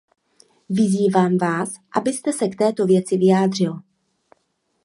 Vyzývám vás, abyste se k této věci vyjádřil.